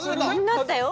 なったよ